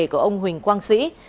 của ông huỳnh quang sĩ